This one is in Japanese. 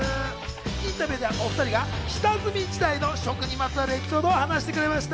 インタビューでは、お２人が下積み時代の食にまつわるエピソードを話してくれました。